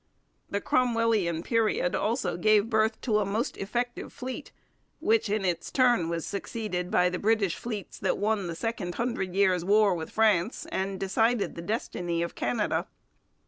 The Cromwellian period also gave birth to a most effective fleet, which in its turn was succeeded by the British fleets that won the Second Hundred Years' War with France and decided the destiny of Canada.